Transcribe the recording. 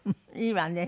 いいわね。